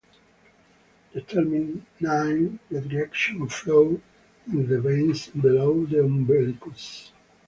Determine the direction of flow in the veins below the umbilicus.